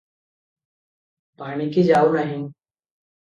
ପାଣିକି ଯାଉ ନାହିଁ ।